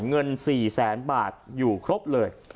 เงิน๔แสนบาทอยู่ครบเลย